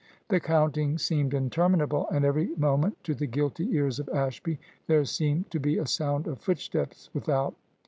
The counting seemed interminable, and every moment, to the guilty ears of Ashby, there seemed to be a sound of footsteps without.